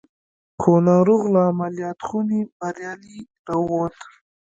خو ناروغ له عمليات خونې بريالي را ووت.